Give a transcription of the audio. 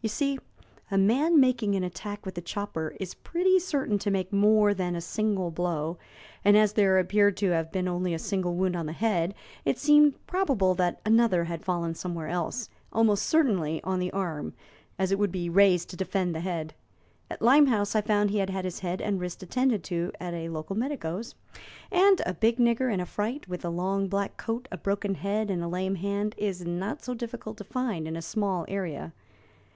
You see, a man making an attack with a chopper is pretty certain to make more than a single blow, and as there appeared to have been only a single wound on the head, it seemed probable that another had fallen somewhere else almost certainly on the arm, as it would be raised to defend the head. At Limehouse I found he had had his head and wrist attended to at a local medico's, and a big nigger in a fright, with a long black coat, a broken head, and a lame hand, is not so difficult to find in a small area.